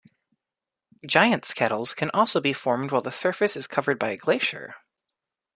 Giant's kettles can also be formed while the surface is covered by a glacier.